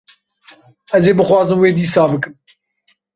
Ez ê bixwazim wê dîsa bikim.